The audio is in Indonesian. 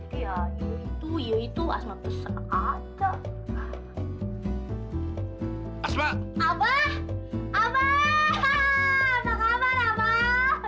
kamu tuh gimana sih bikin khawatir orang tua